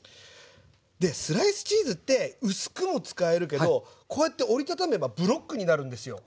スライスチーズって薄くも使えるけどこうやって折り畳めばブロックになるんですよ。